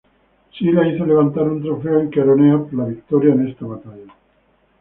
Sila hizo levantar un trofeo en Queronea por la victoria en esta batalla.